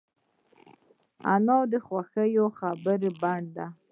انا د خوشبویه خبرو بڼ دی